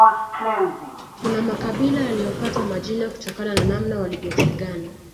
Kuna makabila yaliyopata majina kutokana na namna wanavyopigana